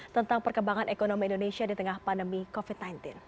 tentang perkembangan ekonomi indonesia di tengah pandemi covid sembilan belas